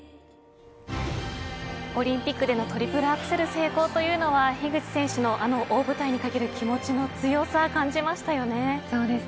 オリンピックでのトリプルアクセル成功というのは樋口選手のあの大舞台に懸ける気持ちの強さを感じました。